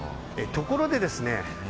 ところでですね